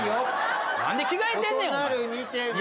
何で着替えてんねんお前。